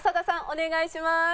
お願いします。